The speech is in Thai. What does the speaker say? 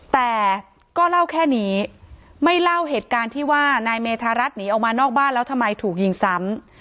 แต่ก็เล่าแค่นี้ไม่เล่าเหตุการณ์ที่ว่านายเมธารัฐหนีออกมานอกบ้านแล้วทำไมถูกยิงซ้ำ